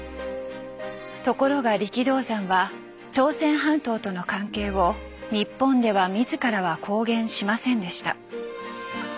ところが力道山は朝鮮半島との関係を日本では自らは公言しませんでした。